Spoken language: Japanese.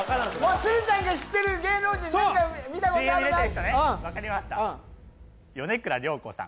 鶴ちゃんが知ってる芸能人何か見たことあるなＣＭに出てる人ね分かりました米倉涼子さん